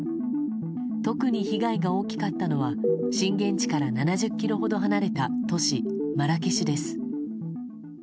特に被害が大きかったのは震源地から７０ｋｍほど離れた都市マラケシュです。